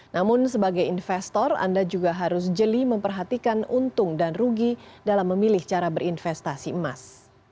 namun sebagai investor anda juga harus jeli memperhatikan untung dan rugi dalam memilih cara berinvestasi emas